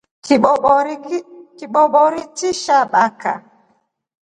Kibobori chili sha baka.